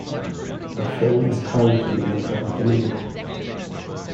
The film is currently in the public domain.